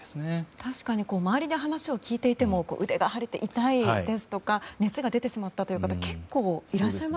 確かに周りで話を聞いていても腕が腫れて痛いという方や熱が出てしまったという方結構いらっしゃいますよね。